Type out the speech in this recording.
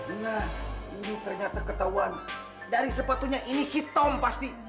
ini kata ketahuan dari sepatunya ini si tom pasti